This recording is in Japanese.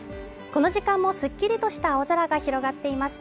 この時間もすっきりとした青空が広がっています